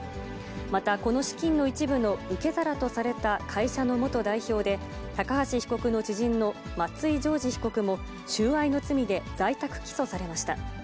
またこの資金の一部の受け皿とされた会社の元代表で、高橋被告の知人の松井讓二被告も、収賄の罪で在宅起訴されました。